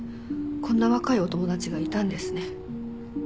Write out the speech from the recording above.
こんな若いお友達がいたんですね。